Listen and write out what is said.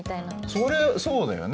それそうだよね。